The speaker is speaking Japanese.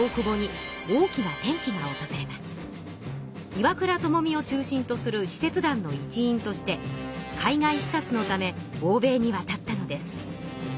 岩倉具視を中心とする使節団の一員として海外視察のため欧米にわたったのです。